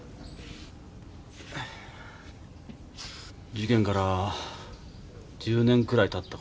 事件から１０年くらい経ったころかな。